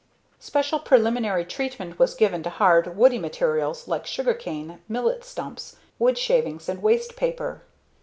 Special preliminary treatment was given to hard, woody materials like sugarcane, millet stumps, wood shavings and waste paper.